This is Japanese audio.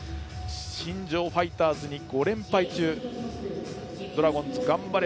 新庄ファイターズに５連敗中ドラゴンズ、頑張れ。